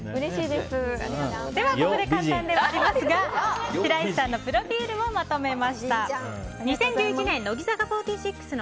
ではここで簡単ではありますが白石さんのプロフィールをまとめました。